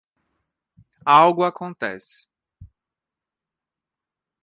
Algo acontece